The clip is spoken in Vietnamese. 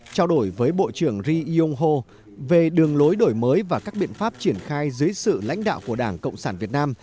trao đổi với bộ trưởng ri yong ho về đường lối đổi mới và các biện pháp triển khai dưới sự lãnh đạo của đảng cộng sản việt nam